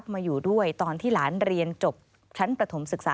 มาอยู่ด้วยตามที่หลานขอ